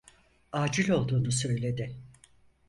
Acil olduğunu söyledi.